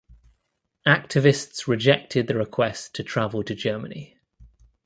Activists rejected the request to travel to Germany.